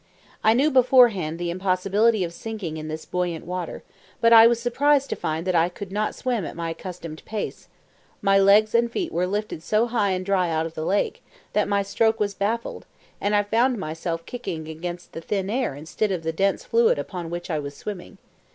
I knew beforehand the impossibility of sinking in this buoyant water, but I was surprised to find that I could not swim at my accustomed pace; my legs and feet were lifted so high and dry out of the lake, that my stroke was baffled, and I found myself kicking against the thin air instead of the dense fluid upon which I was swimming.